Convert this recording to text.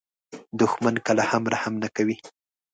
دښمن کله هم رحم نه کوي